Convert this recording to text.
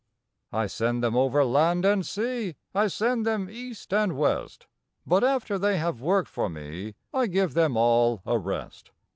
I send them over land and sea, I send them east and west; But after they have worked for me, I give them all a rest.